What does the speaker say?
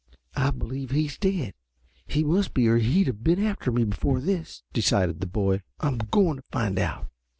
"I believe he's dead. He must be or he'd have been after me before this," decided the boy. "I 'm going to find out."